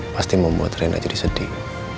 pasti membuat rena jadi sedih